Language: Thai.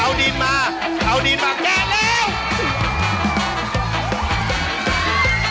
เอาดีนมาเอาดีนมาแกะเร็ว